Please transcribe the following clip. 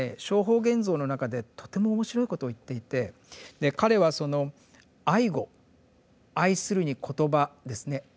「正法眼蔵」の中でとても面白いことを言っていて彼はその「愛語」「愛する」に言葉ですね